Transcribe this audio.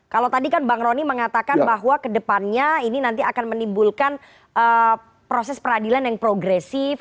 kalau tadi kan bang rony mengatakan bahwa kedepannya ini nanti akan menimbulkan proses peradilan yang progresif